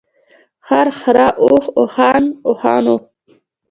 خر، خره، اوښ ، اوښان ، اوښانو .